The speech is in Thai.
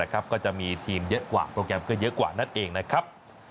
ก็จะมีทีมเยอะกว่าโปรแกรมก็เยอะกว่านั่นเองนะครับ